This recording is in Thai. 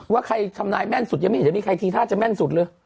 ว่าใครทำนายแม่นสุดยังไม่เห็นจะมีใครทีท่าจะแม่นสุดเลย